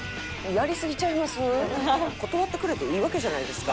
断ってくれていいわけじゃないですか？